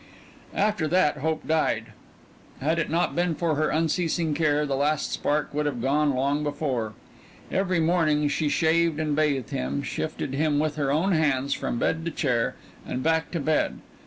After that hope died. Had it not been for her unceasing care the last spark would have gone long before. Every morning she shaved and bathed him, shifted him with her own hands from bed to chair and back to bed.